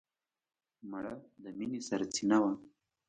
مړه د مینې سرڅینه وه